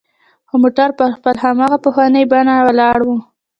خو موټر پر خپل هماغه پخواني بڼه ولاړ و.